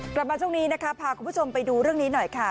กลับมาช่วงนี้นะคะพาคุณผู้ชมไปดูเรื่องนี้หน่อยค่ะ